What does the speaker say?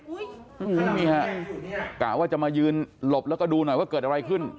นี่ฮะกะว่าจะมายืนหลบแล้วก็ดูหน่อยว่าเกิดอะไรขึ้น